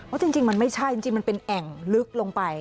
จริงมันไม่ใช่จริงมันเป็นแอ่งลึกลงไป